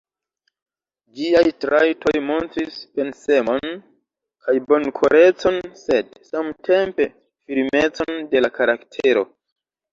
Ĝiaj trajtoj montris pensemon kaj bonkorecon, sed, samtempe, firmecon de la karaktero.